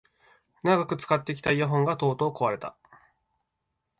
長く使ってきたイヤホンがとうとう壊れた